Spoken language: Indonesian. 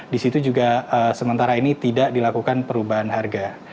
di situ juga sementara ini tidak dilakukan perubahan harga